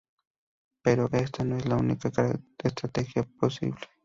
Pero esta no es la única estrategia posible.